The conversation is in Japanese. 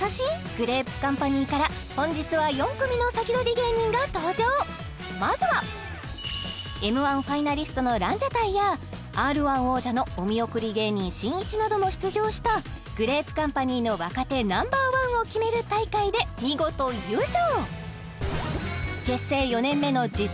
グレープカンパニーから本日は４組のサキドリ芸人が登場まずはＭ−１ファイナリストのランジャタイやＲ−１王者のお見送り芸人しんいちなども出場したグレープカンパニーの若手Ｎｏ．１を決める大会で見事優勝